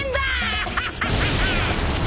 アハハハハッ！